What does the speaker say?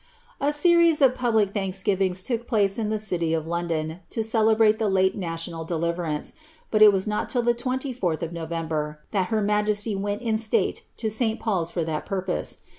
A series of public thajiksgivings took place in the ciiy of hat celehrate the late iialional deliverance; bat it was not till the : fourth of November that her majesty went in state to St. Paut'a purpose.